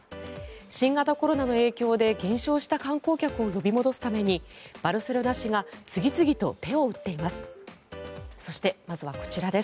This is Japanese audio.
新型コロナの影響で減少した観光客を呼び戻すためにバルセロナ市が次々と手を打っています。